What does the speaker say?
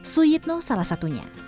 suyitno salah satunya